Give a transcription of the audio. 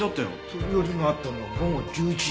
飛び降りがあったのは午後１１時頃だよね？